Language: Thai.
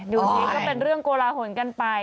ดูสิก็เป็นเรื่องโกลาหลกันไป